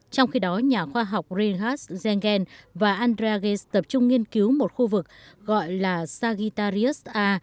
trong khi đó nhà khoa học reinhard jengel và andré ghez tập trung nghiên cứu một khu vực gọi là sagittarius a